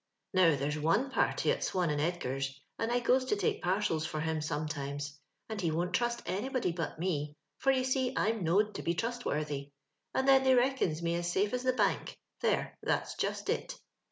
Now, there's one party at Swan and Edgar's, and I goes to take parcels for him sometimes ; and he won't trust anybody but me, for you see I'm know'd to be trustworthy, and then they reckons me as safe as the Bank, — there, that's just it.